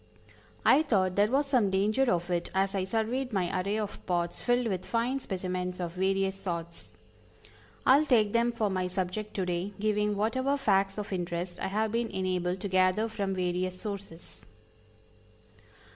I thought there was some danger of it as I surveyed my array of pots filled with fine specimens of various sorts. I will take them for my subject to day, giving whatever facts of interest I have been enabled to gather from various sources.